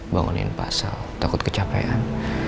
bangunin pasal takut kecapean